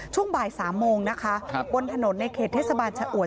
ช่วงบ่าย๓โมงนะคะบนถนนในเขตเทศบาลชะอวด